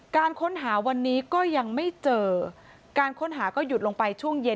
การค้นหาวันนี้ก็ยังไม่เจอการค้นหาก็หยุดลงไปช่วงเย็น